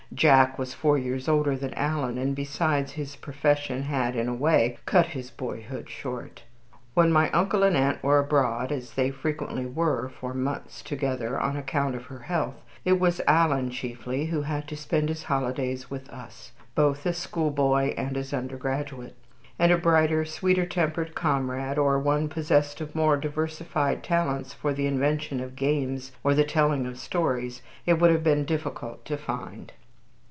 Jack was four years older than Alan, and, besides, his profession had, in a way, cut his boyhood short. When my uncle and aunt were abroad, as they frequently were for months together on account of her health, it was Alan, chiefly, who had to spend his holidays with us, both as school boy and as undergraduate. And a brighter, sweeter tempered comrade, or one possessed of more diversified talents for the invention of games or the telling of stories, it would have been difficult to find.